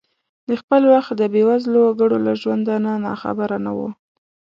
د خپل وخت د بې وزلو وګړو له ژوندانه ناخبره نه ؤ.